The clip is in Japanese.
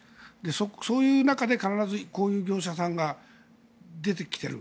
そういう中で必ずこういう業者さんが出てきている。